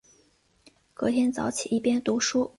隔天早起一边读书